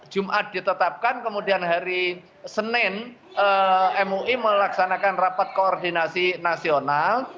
jumat ditetapkan kemudian hari senin mui melaksanakan rapat koordinasi nasional